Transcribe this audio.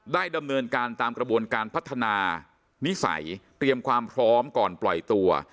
ดำเนินการตามกระบวนการพัฒนานิสัยเตรียมความพร้อมก่อนปล่อยตัว